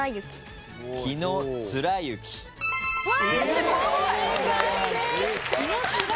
すごい！